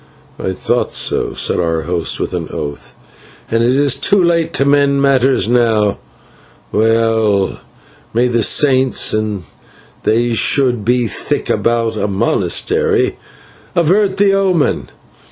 "I thought so," said our host, with an oath, "and it is too late to mend matters now. Well, may the Saints, and they should be thick about a monastery, avert the omen.